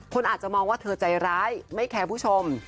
คนอาจจะมองว่าเธอใจร้ายไม่แคร์ผู้ชม